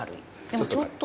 でも、ちょっと。